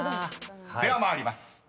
［では参ります。